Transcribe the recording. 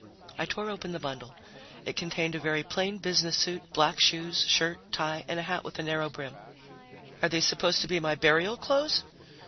I tore open the bundle. It contained a very plain business suit, black shoes, shirt, tie and a hat with a narrow brim. "Are these supposed to be my burial clothes?"